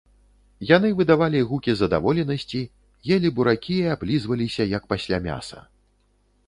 Яны выдавалі гукі задаволенасці, елі буракі і аблізваліся, як пасля мяса.